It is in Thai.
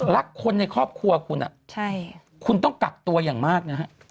รักคนในครอบครัวคุณอ่ะใช่คุณต้องกลับตัวอย่างมาก